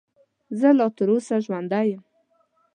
زه لا تر اوسه ژوندی یم .